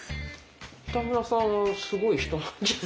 北村さんはすごい人なんじゃ。